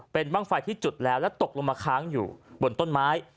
เป็นบ้างไฟที่จุดแล้วแล้วตกลงมาค้างอยู่บนต้นไม้